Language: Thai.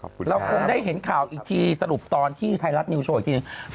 เราคงได้เห็นข่าวอีกทีสรุปตอนที่ไทยรัฐนิวโชว์อีกทีนึง